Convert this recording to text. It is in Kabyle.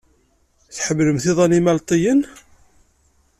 Tḥemmlemt iḍan imalṭiyen?